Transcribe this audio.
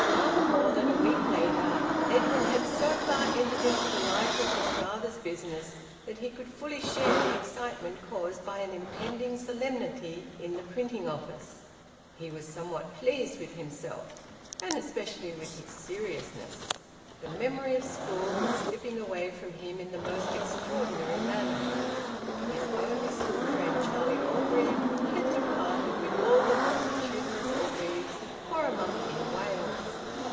Rather more than a week later, Edwin had so far entered into the life of his father's business that he could fully share the excitement caused by an impending solemnity in the printing office. He was somewhat pleased with himself, and especially with his seriousness. The memory of school was slipping away from him in the most extraordinary manner. His only school friend, Charlie Orgreave, had departed, with all the multitudinous Orgreaves, for a month in Wales.